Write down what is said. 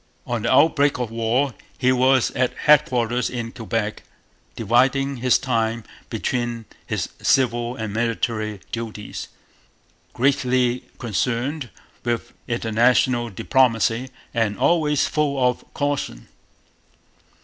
On the outbreak of war he was at headquarters in Quebec, dividing his time between his civil and military duties, greatly concerned with international diplomacy, and always full of caution.